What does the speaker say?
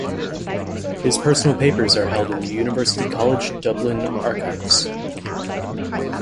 His personal papers are held in the University College Dublin Archives.